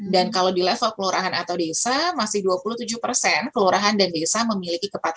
dari personil tni dan polri